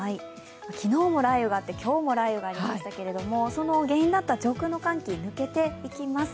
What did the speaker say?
昨日も雷雨があって今日も雷雨がありましたけれどもその原因だった上空の寒気、抜けていきます。